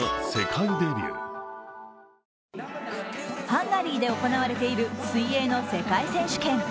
ハンガリーで行われている水泳の世界選手権。